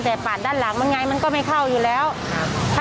แต่ปาดด้านหลังมันไงมันก็ไม่เข้าอยู่แล้วครับ